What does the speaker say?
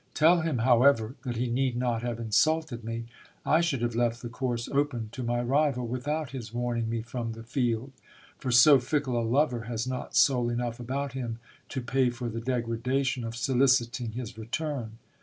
Tell him, however, that he need not have insulted me. I should have left the course open to my rival, without his warning me from the field : for so fickle a lover has not soul enough about him to pay for the degradation of soliciting his return.